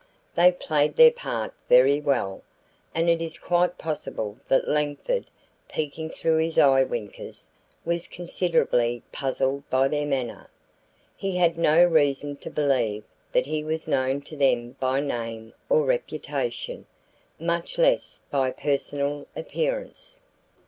They played their part very well, and it is quite possible that Langford, peeking through his eyewinkers, was considerably puzzled by their manner. He had no reason to believe that he was known to them by name or reputation, much less by personal appearance.